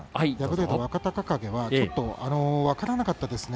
敗れた若隆景ちょっと分からなかったですね